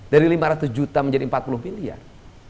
dari lima ratus juta menjadi empat puluh miliar